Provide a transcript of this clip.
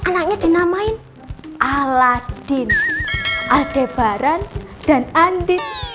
anaknya dinamain aladin aldebaran dan andin